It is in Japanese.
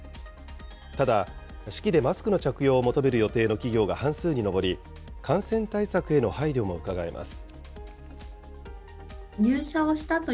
ただ、式でマスクの着用を求める企業が半数に上り、感染対策への配慮もうかがえます。